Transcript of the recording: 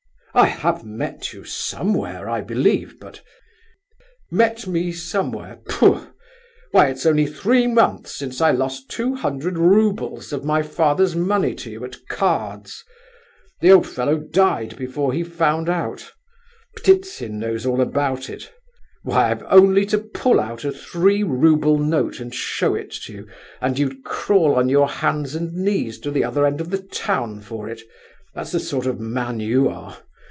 "I have met you somewhere, I believe, but—" "Met me somewhere, pfu! Why, it's only three months since I lost two hundred roubles of my father's money to you, at cards. The old fellow died before he found out. Ptitsin knows all about it. Why, I've only to pull out a three rouble note and show it to you, and you'd crawl on your hands and knees to the other end of the town for it; that's the sort of man you are.